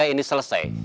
saya ini selesai